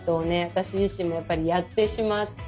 私自身もやっぱりやってしまって。